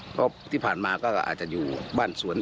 เพราะที่ผ่านมาก็อาจจะอยู่บ้านสวน